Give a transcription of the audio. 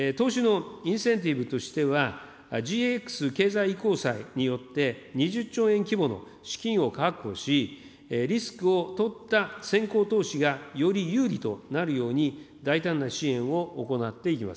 投資のインセンティブとしてはＧＸ経済によって２０兆円規模の資金を確保し、リスクを取った先行投資がより有利となるように、大胆な支援を行っていきます。